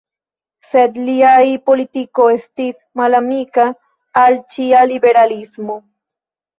Sed liaj politiko estis malamika al ĉia liberalismo.